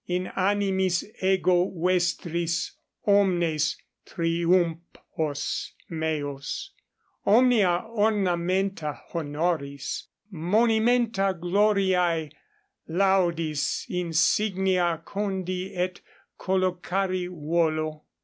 In animis ego vestris omnes triumphos meos, omnia ornamenta honoris, monimenta gloriae, laudis insignia condi et collocari volo.